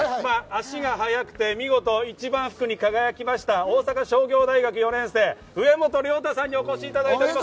ここから足が速くて見事、一番福に輝きました大阪商業大学４年生・植本亮太さんにお越しいただいています。